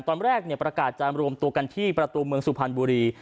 ตอนแรกประกาศจะรวมตัวกันที่ประตูเมืองสุพรรณบุรี